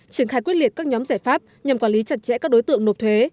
triển khai quyết liệt các nhóm giải pháp nhằm quản lý chặt chẽ các đối tượng nộp thuế